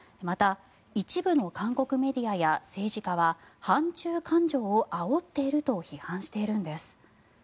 また、一部の韓国メディアや政治家は反中感情をあおっていると批判しているんです。